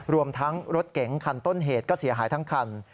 รวมทั้งรถเก๋งคันต้นเหตุก็เสียหายทั้งคัน